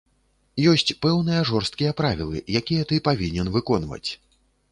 Ёсць пэўныя жорсткія правілы, якія ты павінен выконваць.